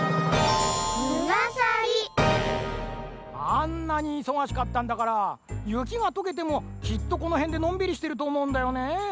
あんなにいそがしかったんだからゆきがとけてもきっとこのへんでのんびりしてるとおもうんだよね。